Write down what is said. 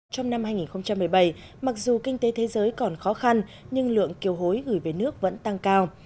trong năm hai nghìn một mươi bảy mặc dù kinh tế thế giới còn khó khăn nhưng lượng kiều hối gửi về nước vẫn tăng cao